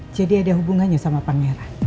jadi ada hubungannya sama pangeran